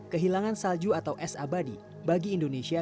kehilangan salju atau es abadi bagi indonesia